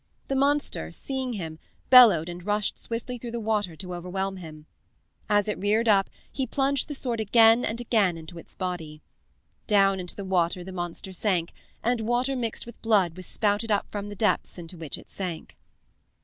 The monster, seeing him, bellowed and rushed swiftly through the water to overwhelm him. As it reared up he plunged the sword again and again into its body. Down into the water the monster sank, and water mixed with blood was spouted up from the depths into which it sank.